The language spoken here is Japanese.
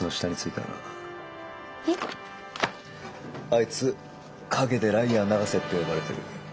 あいつ陰で「ライアー永瀬」って呼ばれてる。